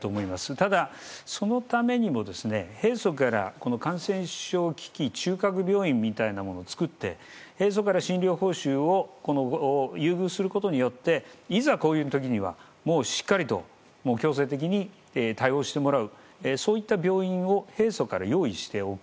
ただ、そのためにも平素から感染症危機中核病院のようなものを作って平素から診療報酬を優遇することによっていざ、こういう時にはしっかりと強制的に対応してもらうそういった病院を平素から用意しておく。